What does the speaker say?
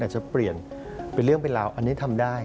จะเปลี่ยนเป็นเรื่องเป็นราวอันนี้ทำได้